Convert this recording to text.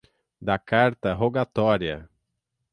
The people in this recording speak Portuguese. Da Carta Rogatória